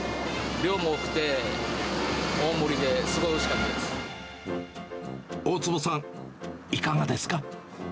量も多くて、大盛りで、大坪さん、いかがですか。